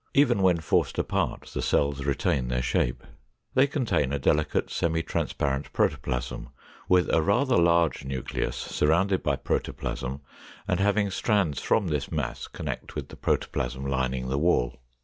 Even when forced apart, the cells retain their shape. They contain a delicate semi transparent protoplasm with a rather large nucleus surrounded by protoplasm and having strands from this mass connect with the protoplasm lining the wall.